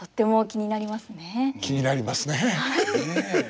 気になりますね。